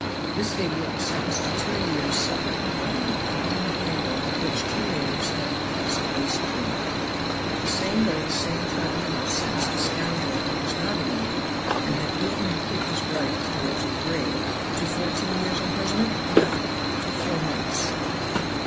This idiot was sentenced to two years' separate confinement for being the handle with which two knaves had passed base coin. The same day the same tribunal sentenced a scoundrel who was not an idiot, and had beaten and kicked his wife to the edge of the grave to fourteen years' imprisonment? no to four months.